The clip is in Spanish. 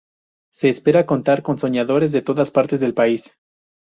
Se espera contar con soñadores de todas partes del país.